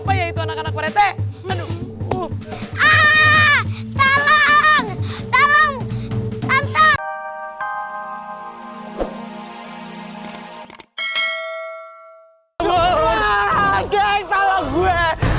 aduh adek tolong gue